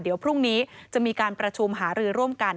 เดี๋ยวพรุ่งนี้จะมีการประชุมหารือร่วมกัน